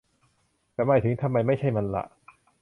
ฉันหมายถึง ทำไมไม่ใช่มันหละ